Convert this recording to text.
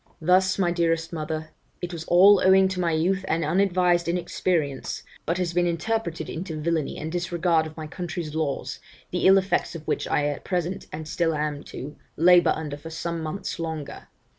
'Thus, my dearest mother, it was all owing to my youth and unadvised inexperience, but has been interpreted into villany and disregard of my country's laws, the ill effects of which I at present, and still am to, labour under for some months longer.